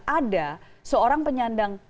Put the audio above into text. ada seorang penyandang